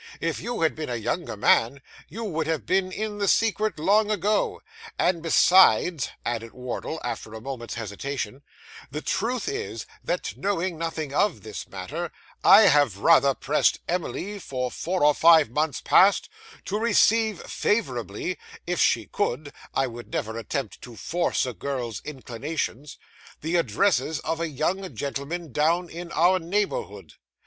'If you had been a younger man, you would have been in the secret long ago; and besides,' added Wardle, after a moment's hesitation, 'the truth is, that, knowing nothing of this matter, I have rather pressed Emily for four or five months past, to receive favourably (if she could; I would never attempt to force a girl's inclinations) the addresses of a young gentleman down in our neighbourhood.